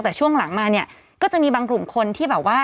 แต่ช่วงหลังมาเนี่ยก็จะมีบางกลุ่มคนที่แบบว่า